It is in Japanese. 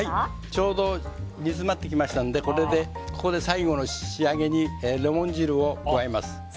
ちょうど煮詰まってきましたのでここで最後の仕上げにレモン汁を加えます。